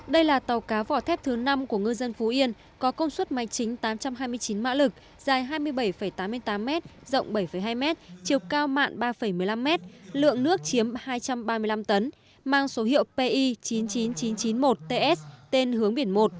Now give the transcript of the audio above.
đây là tàu cá vỏ thép thứ năm của ngư dân phú yên có công suất máy chính tám trăm hai mươi chín mã lực dài hai mươi bảy tám mươi tám m rộng bảy hai m chiều cao mạn ba một mươi năm m lượng nước chiếm hai trăm ba mươi năm tấn mang số hiệu pi chín mươi chín nghìn chín trăm chín mươi một ts tên hướng biển một